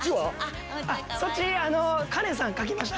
そっちあのカレンさん描きました。